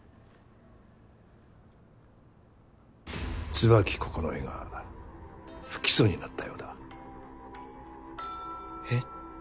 椿九重が不起訴になったようだ。え。